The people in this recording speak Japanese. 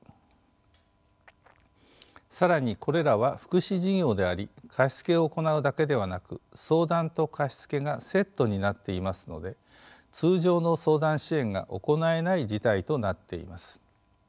更にこれらは福祉事業であり貸し付けを行うだけではなく相談と貸し付けがセットになっていますので通常の相談支援が行えない事態となっています。